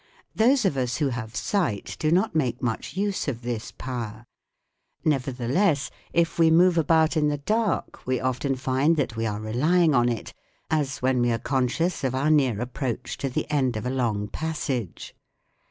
Those of us who have sight do not make much use of this power ; nevertheless, if we move about in the dark we often find that we are relying on it, as when we are conscious of our near approach to the end of a long passage.